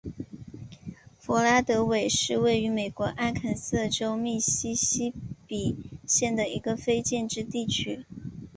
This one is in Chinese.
弗拉德韦是位于美国阿肯色州密西西比县的一个非建制地区。